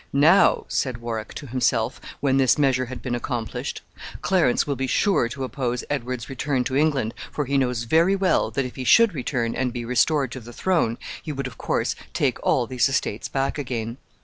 "Now," said Warwick to himself, when this measure had been accomplished, "Clarence will be sure to oppose Edward's return to England, for he knows very well that if he should return and be restored to the throne, he would, of course, take all these estates back again."